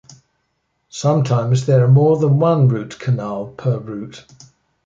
Sometimes there are more than one root canal per root.